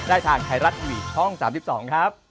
ได้ทางไทยรัตน์ทีวีช่อง๓๒ครับ